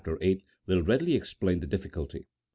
VIII. will readily explain the difficulty.